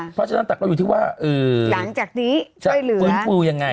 เพราะฉะนั้นแต่เราอยู่ที่ว่าหลังจากนี้ฟื้นฟูยังไง